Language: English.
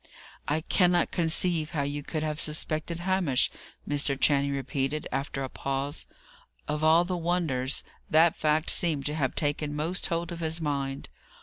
"I cannot conceive how you could have suspected Hamish!" Mr. Channing repeated, after a pause. Of all the wonders, that fact seemed to have taken most hold of his mind.